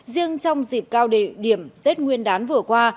riêng trong dịp cao địa điểm tết nguyên đán vừa qua